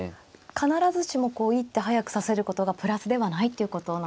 必ずしも一手早く指せることがプラスではないっていうことなんですね。